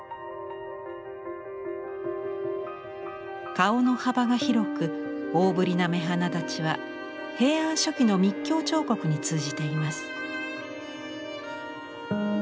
顔の幅が広く大ぶりな目鼻だちは平安初期の密教彫刻に通じています。